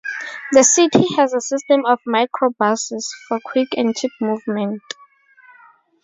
The city has a system of micro-buses for quick and cheap movement.